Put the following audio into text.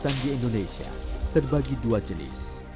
orangutan di indonesia terbagi dua jenis